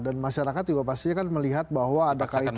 dan masyarakat juga pastinya kan melihat bahwa ada kaitannya